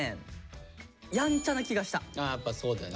やっぱそうだよね。